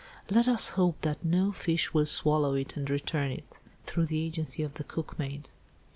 "Let us hope that no fish will swallow it, and return it, through the agency of the cookmaid."